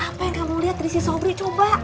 apa yang kamu lihat dari si sobri coba